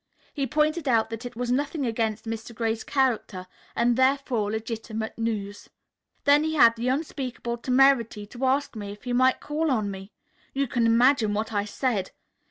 He pointed out that it was nothing against Mr. Gray's character and therefore legitimate news. "Then he had the unspeakable temerity to ask me if he might call on me. You can imagine what I said.